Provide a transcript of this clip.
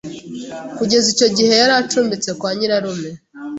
Kugeza icyo gihe yari acumbitse kwa nyirarume.